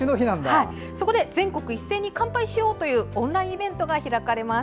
そこで全国一斉に乾杯しようというオンラインイベントが開かれます。